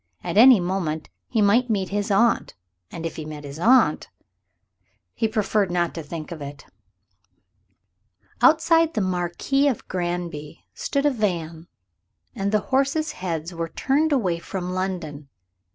At any moment he might meet his aunt. And if he met his aunt ... he preferred not to think of it. Outside the "Marquis of Granby" stood a van, and the horses' heads were turned away from London.